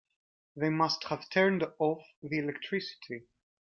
They must have turned off the electricity.